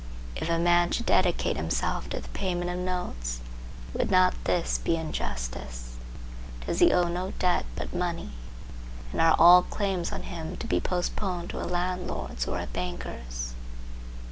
If a man should dedicate himself to the payment of notes, would not this be injustice? Does he owe no debt but money? And are all claims on him to be postponed to a landlord's or a banker's?